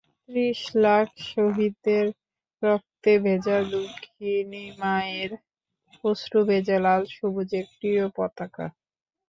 ত্রিশ লাখ শহীদের রক্তে ভেজা দুঃখিনী মায়ের অশ্রুভেজা লাল সবুজের প্রিয় পতাকা।